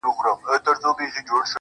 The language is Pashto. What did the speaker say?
گرېـوانـونه به لانــــده كـــــــــړم.